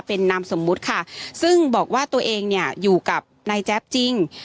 เป็นนามสมมุติค่ะซึ่งบอกว่าตัวเองเนี่ยอยู่กับนายแจ๊บจริง